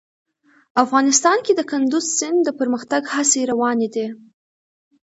افغانستان کې د کندز سیند د پرمختګ هڅې روانې دي.